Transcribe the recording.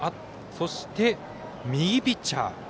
そして、右ピッチャー。